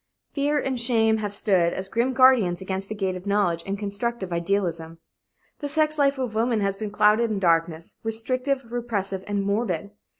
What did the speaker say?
Fear and shame have stood as grim guardians against the gate of knowledge and constructive idealism. The sex life of women has been clouded in darkness, restrictive, repressive and morbid.